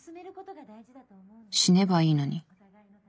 死ねばいいのに。